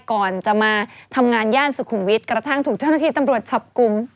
ก่อนจะมาทำงานย่านสุขุมวิทย์กระทั่งถูกเจ้าหน้าที่ตำรวจจับกลุ่ม